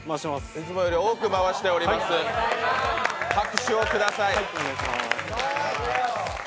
いつもより多く回しております、拍手をください。